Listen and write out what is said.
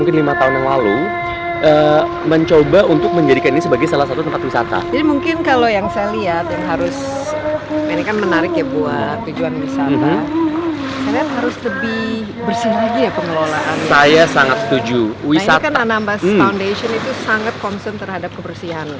nah ini kan anambas foundation itu sangat concern terhadap kebersihan kan